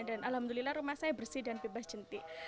alhamdulillah rumah saya bersih dan bebas jentik